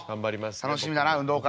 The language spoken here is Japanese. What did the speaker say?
楽しみだな運動会」。